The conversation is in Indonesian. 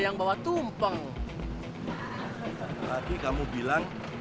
pentes tersembunyi udah lah va